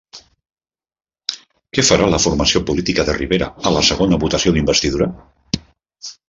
Què farà la formació política de Rivera a la segona votació d'investidura?